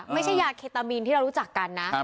ไม่ใช่ยาเคตามีนที่เรารู้จักกันนะ